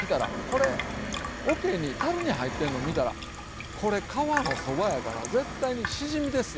これおけにたるに入ってるの見たらこれ川のそばやから絶対にしじみでっせ。